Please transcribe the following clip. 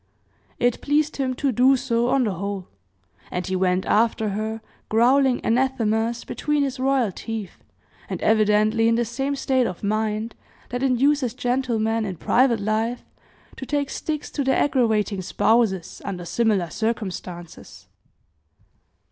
It pleased him to do so, on the whole; and he went after her, growling anathemas between his royal teeth, and evidently in the same state of mind that induces gentlemen in private life to take sticks to their aggravating spouses, under similar circumstances.